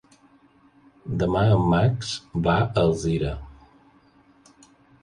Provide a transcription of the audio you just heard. Demà en Max va a Alzira.